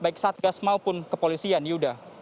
baik satgas maupun kepolisian yuda